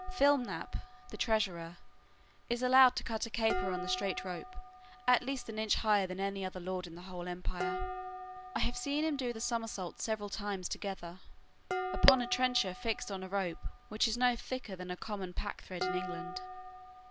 Flimnap, the treasurer, is allowed to cut a caper on the straight rope, at least an inch higher than any other lord in the whole empire. I have seen him do the summerset several times together, upon a trencher fixed on a rope which is no thicker than a common packthread in England.